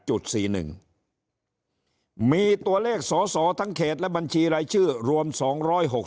จุดสี่หนึ่งมีตัวเลขสสอทั้งเขตและบัญชีรายชื่อรวมสองร้อยหก